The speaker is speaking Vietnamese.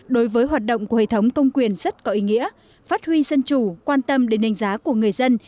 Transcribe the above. đối với hoạt động của hệ thống công quyền rất có ý nghĩa phát huy dân chủ quan tâm đến đánh giá của người dân